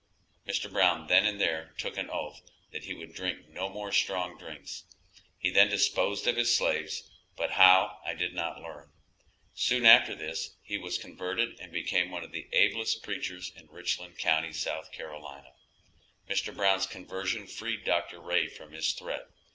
Mr. Brown then and there took an oath that he would drink no more strong drinks. He then disposed of his slaves, but how I did not learn. Soon after this he was converted and became one of the ablest preachers in Richland county, S.C. Mr. Brown's conversion freed Dr. Ray from his threat.